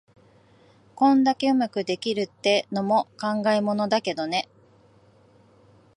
こんだけ上手くできるってのも考えものだけどね。